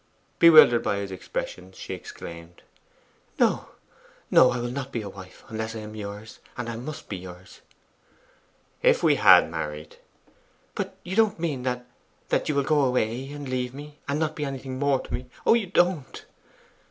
Bewildered by his expressions, she exclaimed 'No, no; I will not be a wife unless I am yours; and I must be yours!' 'If we had married ' 'But you don't MEAN that that you will go away and leave me, and not be anything more to me oh, you don't!